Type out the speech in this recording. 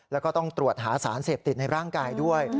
แล้วก็ต้องตรวจหาสารเสพติดในร่างกายด้วย